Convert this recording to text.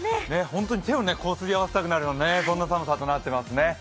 本当に手をこすり合わせたくなるようなそんな寒さになっていますね。